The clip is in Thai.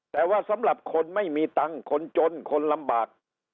แต่ว่าสำหรับคนไม่มีตังค์คนจนคนลำบาก